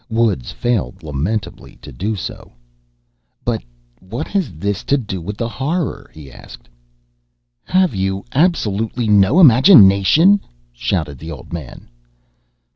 Woods failed lamentably to do so. "But what has this to do with the Horror?" he asked. "Have you absolutely no imagination?" shouted the old man.